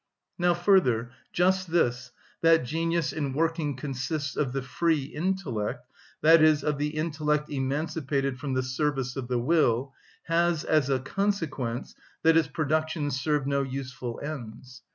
Now further, just this, that genius in working consists of the free intellect, i.e., of the intellect emancipated from the service of the will, has as a consequence that its productions serve no useful ends.